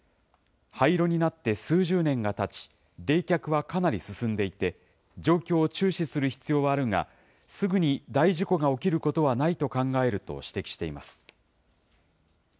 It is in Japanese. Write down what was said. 廃炉になって数十年がたち冷却はかなり進んでいて、状況を注視する必要はあるが、すぐに大事故が起きることはないと考えると指摘しています。